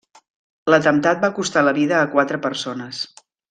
L'atemptat va costar la vida a quatre persones.